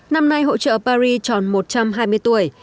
năm nay hộ trợ paris tròn một trăm hai mươi tuổi